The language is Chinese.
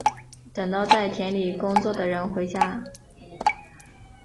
等到在田里工作的人回家